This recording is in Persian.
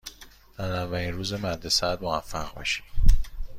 در اولین روز مدرسه ات موفق باشی.